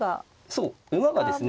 そう馬がですね